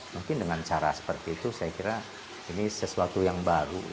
mungkin dengan cara seperti itu saya kira ini sesuatu yang baru